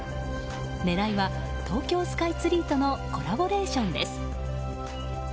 狙いは東京スカイツリーとのコラボレーションです。